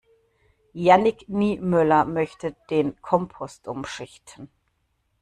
Jannick Niemöller möchte den Kompost umschichten.